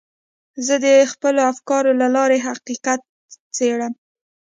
زه د خپلو افکارو له لارې حقیقت څېړم.